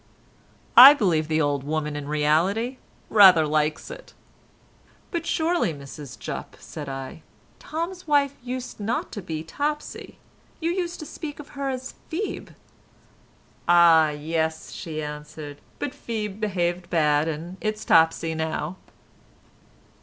I believe the old woman in reality rather likes it. "But surely, Mrs Jupp," said I, "Tom's wife used not to be Topsy. You used to speak of her as Pheeb." "Ah! yes," she answered, "but Pheeb behaved bad, and it's Topsy now."